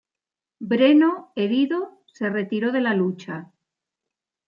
Breno, herido, se retiró de la lucha.